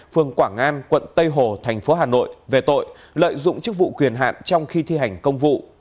phường quảng an quận tây hồ thành phố hà nội về tội lợi dụng chức vụ quyền hạn trong khi thi hành công vụ